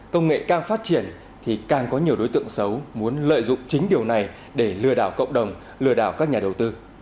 công nghệ càng phát triển thì càng có nhiều đối tượng xấu muốn lợi dụng chính điều này để lừa đảo cộng đồng lừa đảo các nhà đầu tư